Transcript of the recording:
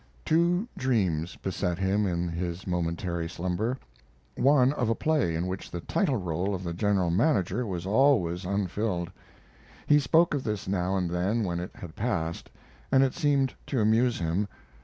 Two dreams beset him in his momentary slumber one of a play in which the title role of the general manager was always unfilled. He spoke of this now and then when it had passed, and it seemed to amuse him.